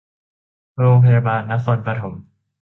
โรงพยาบาลนครปฐม